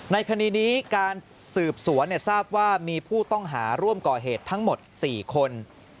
ในคดีนี้การสืบสวนทราบว่ามีผู้ต้องหาร่วมก่อเหตุทั้งหมด๔คน